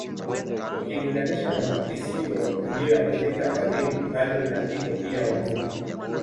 ukilinganisha na makisio aliyoyapeleka Berlin mbali na hilo pia wabunge